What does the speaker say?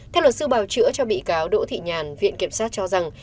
theo luật sư bào chữa cho bị cáo đỗ thị nhàn viện kiểm sát cho rằng